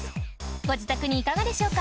ご自宅にいかがでしょうか？